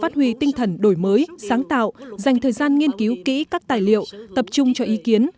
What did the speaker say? tinh thần đổi mới sáng tạo dành thời gian nghiên cứu kỹ các tài liệu tập trung cho ý kiến